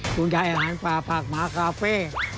ลุงใหญ่อาหารป่าผักหมากาเฟ่